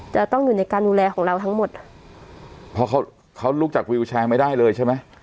จะต้องอยู่ในการดูแลของเราทั้งหมดเพราะเขาเขาลุกจากวิวแชร์ไม่ได้เลยใช่ไหม